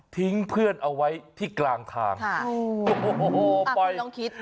ทิ้งเพื่อนเอาไว้ที่กลางทางโอ้โหโหโหข้อคุณลองคิด